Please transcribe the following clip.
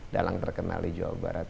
dalang terkenali jawa barat